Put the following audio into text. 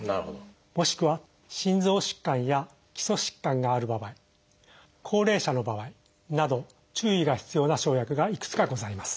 もしくは心臓疾患や基礎疾患がある場合高齢者の場合など注意が必要な生薬がいくつかございます。